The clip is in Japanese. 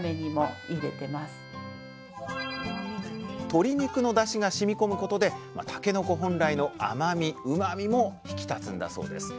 鶏肉のだしがしみこむことでたけのこ本来の甘みうまみも引き立つんだそうです。